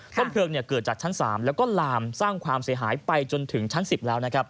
ต้นเพลิงเกิดจากชั้น๓แล้วก็ลามสร้างความเสียหายไปจนถึงชั้น๑๐แล้วนะครับ